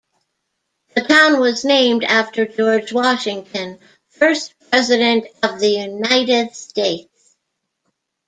The town was named after George Washington, first President of the United States.